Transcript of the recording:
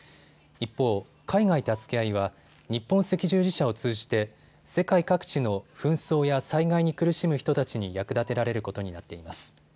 一方、海外たすけあいは日本赤十字社を通じて世界各地の紛争や災害に苦しむ人たちに役立てられることになっています。